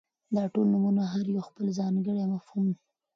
داټول نومونه هر يو خپل ځانګړى مفهوم ،